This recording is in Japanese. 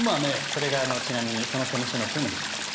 それがちなみにそのケムシのフンですね。